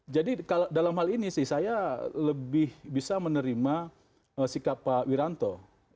jadi dalam hal ini sih saya lebih bisa menerima sikap pak wiranto